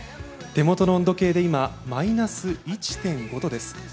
手元の温度計でマイナス１．５度です